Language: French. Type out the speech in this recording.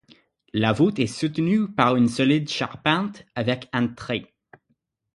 La voûte est soutenue par une solide charpente avec entraits.